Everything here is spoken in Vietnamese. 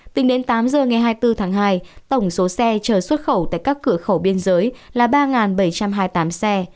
tính đến tám giờ ngày hai mươi bốn tháng hai tổng số xe chờ xuất khẩu tại các cửa khẩu biên giới là ba bảy trăm hai mươi tám xe